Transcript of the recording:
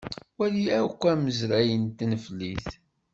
Wali akk amazray n tneflit.